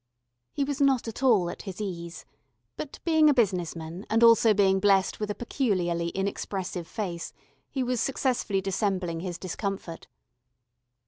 He was not at all at his ease, but being a business man, and being also blessed with a peculiarly inexpressive face, he was successfully dissembling his discomfort.